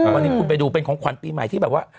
วันนี้คุณไปดูเป็นของขวัญปีใหม่ที่แบบว่า